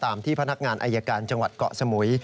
ตามที่พนักงานอายการจเกาะสมุย